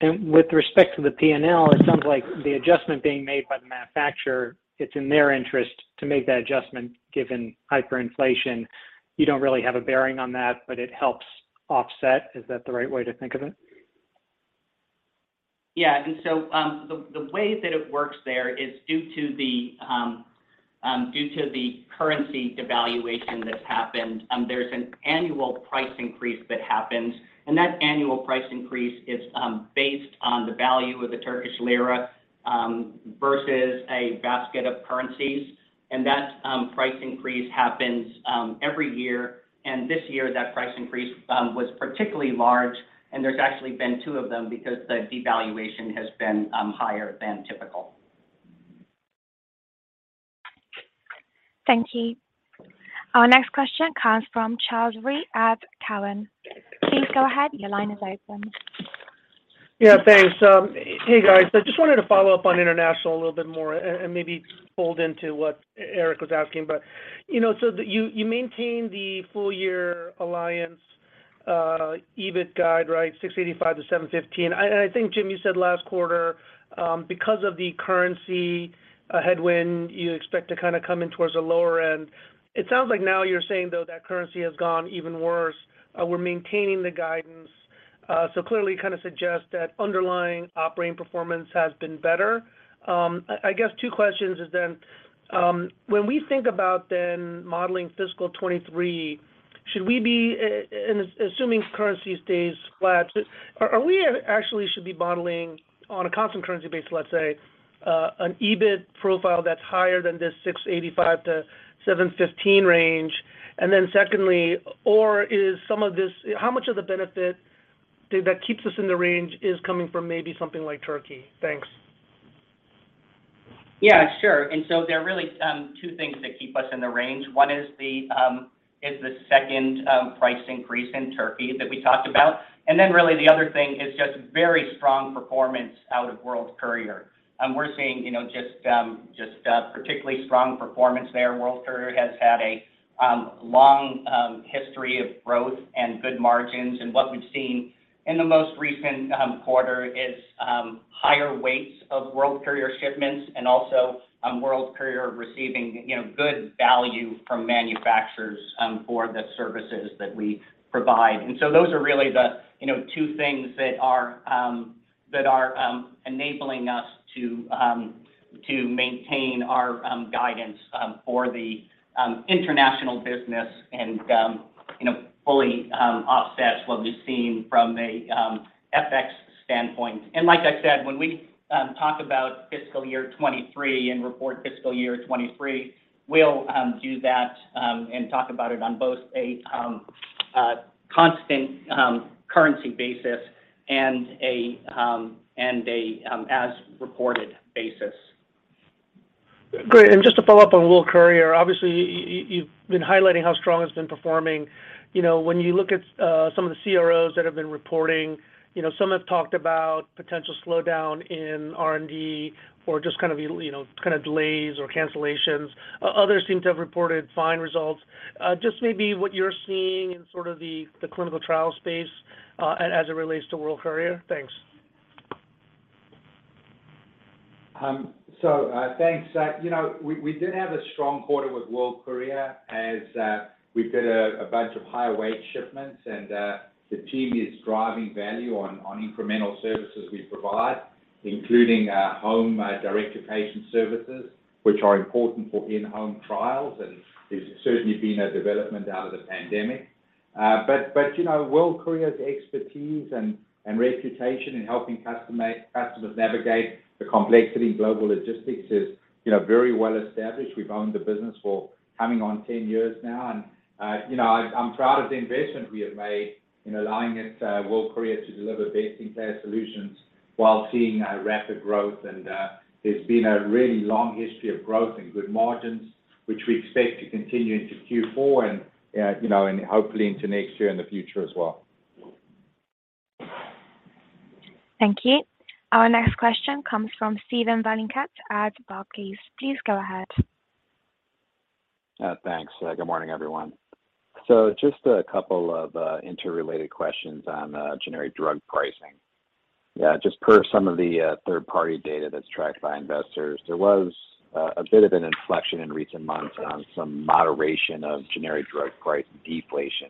With respect to the P&L, it sounds like the adjustment being made by the manufacturer, it's in their interest to make that adjustment given hyperinflation. You don't really have a bearing on that, but it helps offset. Is that the right way to think of it? Yeah. The way that it works there is due to the currency devaluation that's happened. There's an annual price increase that happens, and that annual price increase is based on the value of the Turkish lira versus a basket of currencies. That price increase happens every year. This year, that price increase was particularly large, and there's actually been two of them because the devaluation has been higher than typical. Thank you. Our next question comes from Charles Rhyee at Cowen. Please go ahead. Your line is open. Yeah, thanks. Hey, guys. I just wanted to follow up on international a little bit more and maybe fold into what Eric was asking. You know, so you maintain the full year Alliance EBIT guide, right? $685-$715. I think, Jim, you said last quarter, because of the currency headwind, you expect to kind of come in towards the lower end. It sounds like now you're saying, though, that currency has gone even worse. We're maintaining the guidance. So clearly kind of suggest that underlying operating performance has been better. I guess two questions then, when we think about modeling fiscal 2023, should we be and assuming currency stays flat, are we actually should be modeling on a constant currency base, let's say, an EBIT profile that's higher than this $685-$715 range? Secondly, how much of the benefit that keeps us in the range is coming from maybe something like Turkey? Thanks. Yeah, sure. There are really two things that keep us in the range. One is the second price increase in Turkey that we talked about. Really the other thing is just very strong performance out of World Courier. We're seeing, you know, just particularly strong performance there. World Courier has had a long history of growth and good margins. What we've seen in the most recent quarter is higher weights of World Courier shipments and also World Courier receiving, you know, good value from manufacturers for the services that we provide. Those are really the, you know, two things that are enabling us to maintain our guidance for the international business and, you know, fully offset what we've seen from a FX standpoint. Like I said, when we talk about fiscal year 2023 and report fiscal year 2023, we'll do that and talk about it on both a constant currency basis and a as reported basis. Great. Just to follow up on World Courier, obviously you've been highlighting how strong it's been performing. You know, when you look at some of the CROs that have been reporting, you know, some have talked about potential slowdown in R&D or just kind of delays or cancellations. Others seem to have reported fine results. Just maybe what you're seeing in sort of the clinical trial space as it relates to World Courier. Thanks. Thanks. You know, we did have a strong quarter with World Courier as we did a bunch of higher weight shipments, and the team is driving value on incremental services we provide, including home direct-to-patient services, which are important for in-home trials. There's certainly been a development out of the pandemic. But you know, World Courier's expertise and reputation in helping customers navigate the complexity of global logistics is very well established. We've owned the business for coming on 10 years now. You know, I'm proud of the investment we have made in allowing World Courier to deliver best-in-class solutions while seeing a rapid growth. There's been a really long history of growth and good margins, which we expect to continue into Q4 and, you know, and hopefully into next year in the future as well. Thank you. Our next question comes from Steven Valiquette at Barclays. Please go ahead. Thanks. Good morning, everyone. Just a couple of interrelated questions on generic drug pricing. Yeah, just per some of the third-party data that's tracked by investors, there was a bit of an inflection in recent months on some moderation of generic drug price deflation.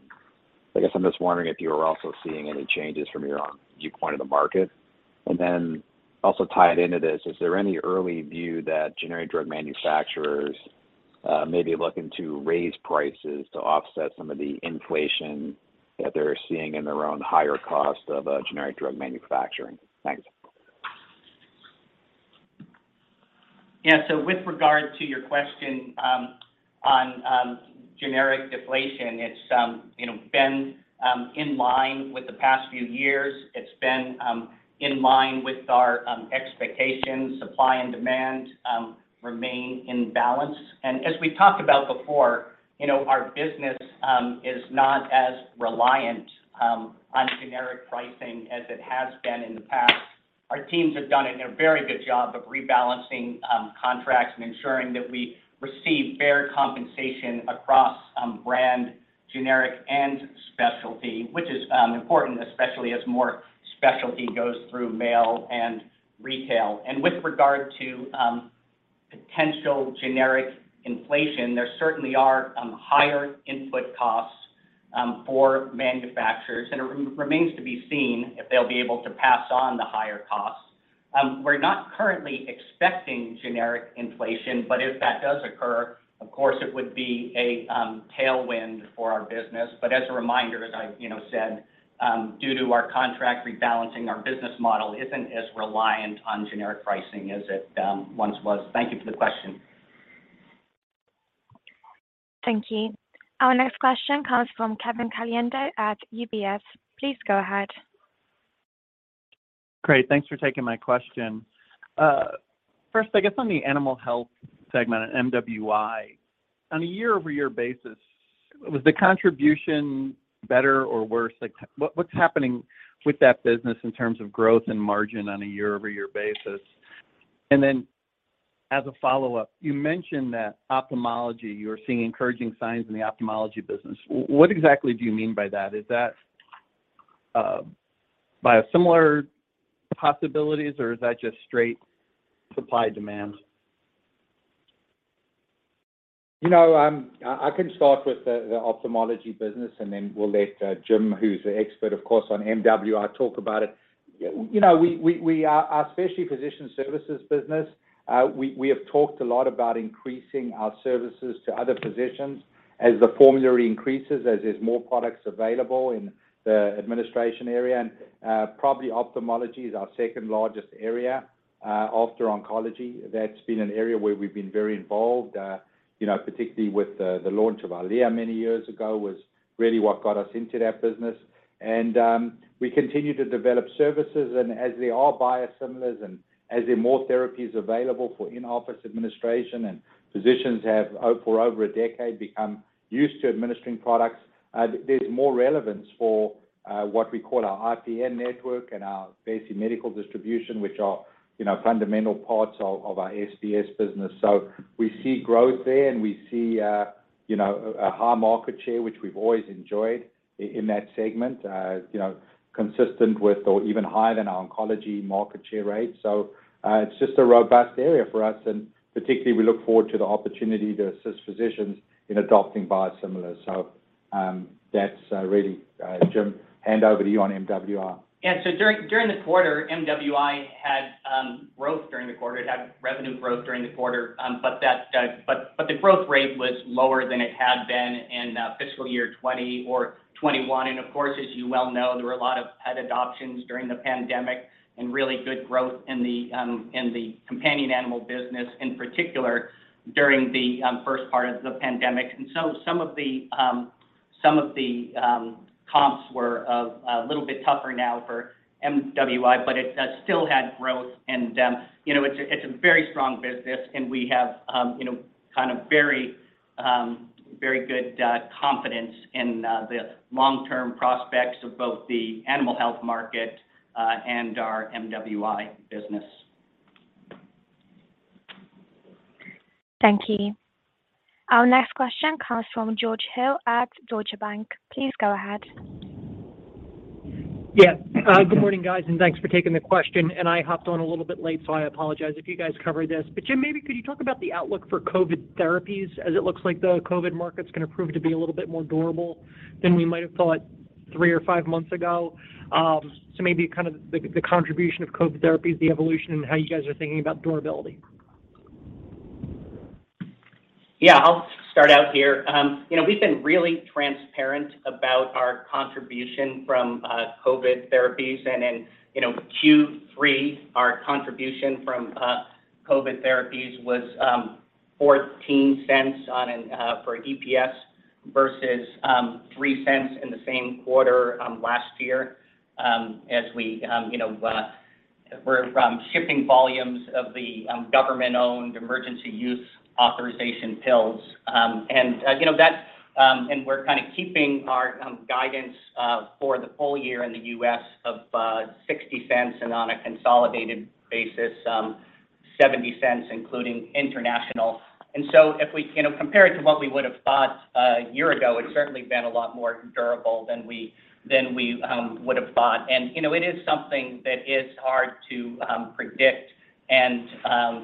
I guess I'm just wondering if you are also seeing any changes from your viewpoint of the market. Also tied into this, is there any early view that generic drug manufacturers may be looking to raise prices to offset some of the inflation that they're seeing in their own higher cost of generic drug manufacturing? Thanks. Yeah. With regard to your question on generic deflation, it's you know, been in line with the past few years. It's been in line with our expectations. Supply and demand remain in balance. As we talked about before, you know, our business is not as reliant on generic pricing as it has been in the past. Our teams have done a very good job of rebalancing contracts and ensuring that we receive fair compensation across brand, generic and specialty, which is important, especially as more specialty goes through mail and retail. With regard to potential generic inflation, there certainly are higher input costs for manufacturers, and it remains to be seen if they'll be able to pass on the higher costs. We're not currently expecting generic inflation, but if that does occur, of course, it would be a tailwind for our business. As a reminder, as I, you know, said, due to our contract rebalancing, our business model isn't as reliant on generic pricing as it once was. Thank you for the question. Thank you. Our next question comes from Kevin Caliendo at UBS. Please go ahead. Great. Thanks for taking my question. First, I guess on the animal health segment at MWI, on a year-over-year basis, was the contribution better or worse? Like what's happening with that business in terms of growth and margin on a year-over-year basis? As a follow-up, you mentioned that ophthalmology, you're seeing encouraging signs in the ophthalmology business. What exactly do you mean by that? Is that biosimilars, or is that just straight supply and demand? You know, I can start with the ophthalmology business, and then we'll let Jim, who's the expert, of course, on MWI, talk about it. You know, our specialty physician services business, we have talked a lot about increasing our services to other physicians as the formulary increases, as there's more products available in the administration area. Probably ophthalmology is our second-largest area after oncology. That's been an area where we've been very involved, you know, particularly with the launch of EYLEA many years ago was really what got us into that business. We continue to develop services. As there are biosimilars and as there are more therapies available for in-office administration, and physicians have, for over a decade, become used to administering products, there's more relevance for what we call our ION network and our basic medical distribution, which are, you know, fundamental parts of our SBS business. We see growth there, and we see a, you know, a high market share, which we've always enjoyed in that segment, you know, consistent with or even higher than our oncology market share rate. It's just a robust area for us. Particularly, we look forward to the opportunity to assist physicians in adopting biosimilars. That's really, Jim, hand over to you on MWI. Yeah. During the quarter, MWI had growth during the quarter. It had revenue growth during the quarter. The growth rate was lower than it had been in fiscal year 2020 or 2021. Of course, as you well know, there were a lot of pet adoptions during the pandemic and really good growth in the companion animal business, in particular during the first part of the pandemic. Some of the Some of the comps were a little bit tougher now for MWI, but it still had growth. You know, it's a very strong business, and we have, you know, kind of very good confidence in the long-term prospects of both the animal health market and our MWI business. Thank you. Our next question comes from George Hill at Deutsche Bank. Please go ahead. Yeah. Good morning, guys, and thanks for taking the question. I hopped on a little bit late, so I apologize if you guys covered this. Jim, maybe could you talk about the outlook for COVID therapies as it looks like the COVID market is gonna prove to be a little bit more durable than we might have thought three or five months ago? Maybe kind of the contribution of COVID therapies, the evolution, and how you guys are thinking about durability. Yeah, I'll start out here. You know, we've been really transparent about our contribution from COVID therapies and in you know Q3, our contribution from COVID therapies was $0.14 for EPS versus $0.03 in the same quarter last year, from shipping volumes of the government-owned emergency use authorization pills. You know, we're kind of keeping our guidance for the full year in the US of $0.60, and on a consolidated basis $0.70, including international. If we you know compare it to what we would have thought a year ago, it's certainly been a lot more durable than we would have thought. You know, it is something that is hard to predict and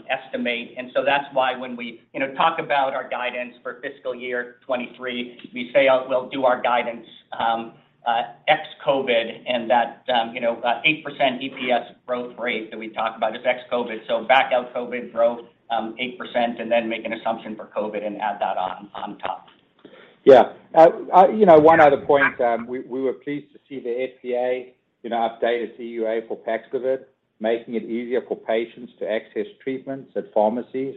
estimate. That's why when we, you know, talk about our guidance for fiscal year 2023, we say we'll do our guidance ex-COVID and that, you know, 8% EPS growth rate that we talk about is ex-COVID. Back out COVID growth, 8% and then make an assumption for COVID and add that on top. Yeah. You know, one other point, we were pleased to see the FDA update a EUA for Paxlovid, making it easier for patients to access treatments at pharmacies.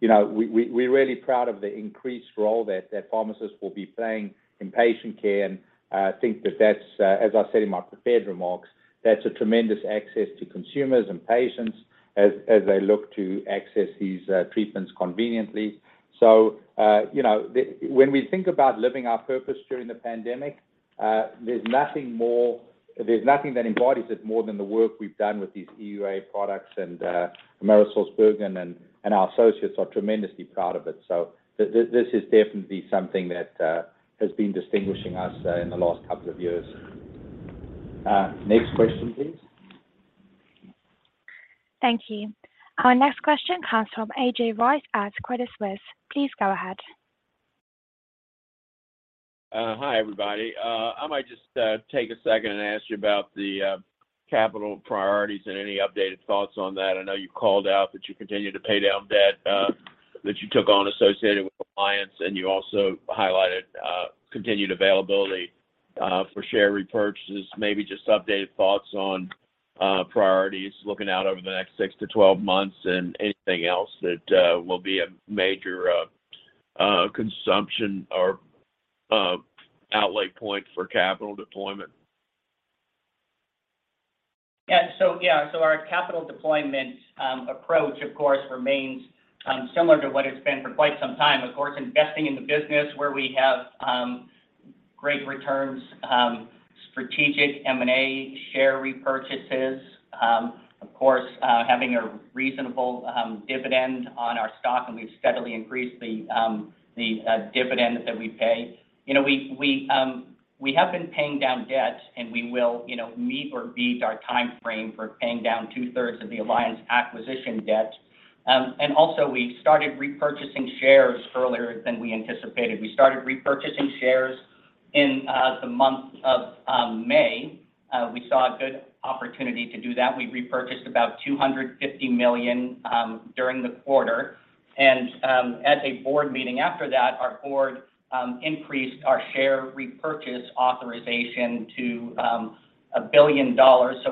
You know, we're really proud of the increased role that the pharmacists will be playing in patient care and think that that's, as I said in my prepared remarks, that's a tremendous access to consumers and patients as they look to access these treatments conveniently. You know, when we think about living our purpose during the pandemic, there's nothing that embodies it more than the work we've done with these EUA products and AmerisourceBergen and our associates are tremendously proud of it. This is definitely something that has been distinguishing us in the last couple of years. Next question, please. Thank you. Our next question comes from A.J. Rice at Credit Suisse. Please go ahead. Hi, everybody. I might just take a second and ask you about the capital priorities and any updated thoughts on that. I know you called out that you continue to pay down debt that you took on associated with Alliance, and you also highlighted continued availability for share repurchases, maybe just updated thoughts on priorities looking out over the next 6-12 months and anything else that will be a major consumption or outlay point for capital deployment. Our capital deployment approach, of course, remains similar to what it's been for quite some time. Of course, investing in the business where we have great returns, strategic M&A, share repurchases, of course, having a reasonable dividend on our stock, and we've steadily increased the dividend that we pay. You know, we have been paying down debt, and we will, you know, meet or beat our time frame for paying down two-thirds of the Alliance acquisition debt. Also we started repurchasing shares earlier than we anticipated. We started repurchasing shares in the month of May. We saw a good opportunity to do that. We repurchased about $250 million during the quarter. At a board meeting after that, our board increased our share repurchase authorization to $1 billion.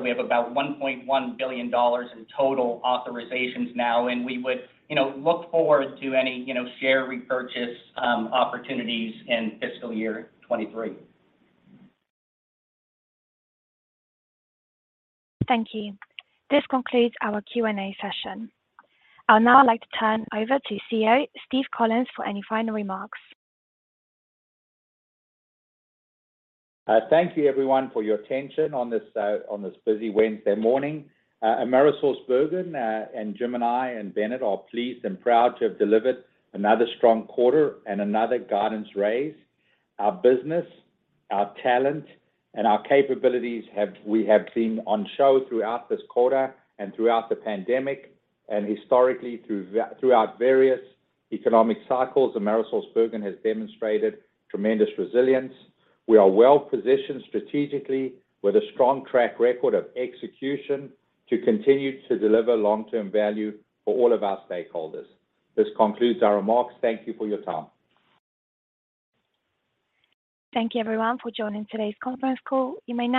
We have about $1.1 billion in total authorizations now, and we would, you know, look forward to any, you know, share repurchase opportunities in fiscal year 2023. Thank you. This concludes our Q&A session. I would now like to turn over to CEO, Steve Collis, for any final remarks. Thank you everyone for your attention on this busy Wednesday morning. AmerisourceBergen and Jim and I and Bennett are pleased and proud to have delivered another strong quarter and another guidance raise. Our business, our talent, and our capabilities have been on show throughout this quarter and throughout the pandemic and historically throughout various economic cycles. AmerisourceBergen has demonstrated tremendous resilience. We are well-positioned strategically with a strong track record of execution to continue to deliver long-term value for all of our stakeholders. This concludes our remarks. Thank you for your time. Thank you everyone for joining today's conference call. You may now